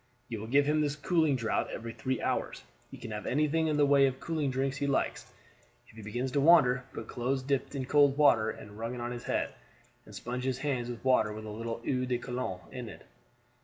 You will give him this cooling draught every three hours; he can have anything in the way of cooling drinks he likes. If he begins to wander, put cloths dipped in cold water and wrung out on his head, and sponge his hands with water with a little eau de Cologne in it.